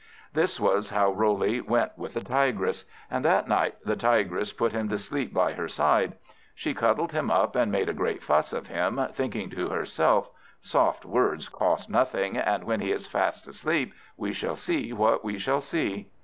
This was how Roley went with the Tigress; and that night the Tigress put him to sleep by her side. She cuddled him up, and made a great fuss of him, thinking to herself, "Soft words cost nothing; and when he is fast asleep, we shall see what we shall see."